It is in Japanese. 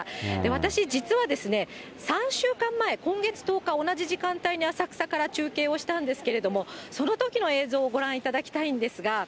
私、実は３週間前、今月１０日、同じ時間帯に浅草から中継したんですけれども、そのときの映像をご覧いただきたいんですが。